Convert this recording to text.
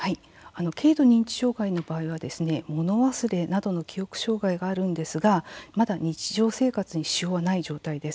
軽度認知障害の場合は物忘れなどの記憶障害があるんですが、まだ日常生活には支障がない状態です。